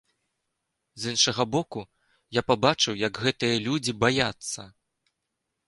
З іншага боку, я пабачыў, як гэтыя людзі баяцца.